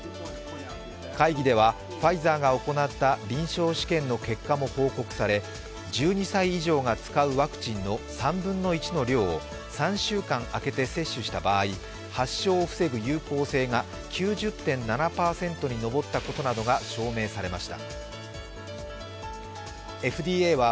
会議ではファイザーが行った臨床試験の結果も報告され１２歳以上が使うワクチンの３分の１の量を３週間空けて接種した場合、発症を防ぐ有効性９０．７％にのぼったことなどが証明されました。